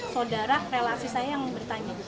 saudara relasi saya yang bertanya